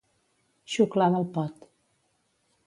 Xuclar del pot.